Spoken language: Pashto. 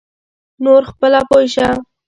نور خپله پوی شه.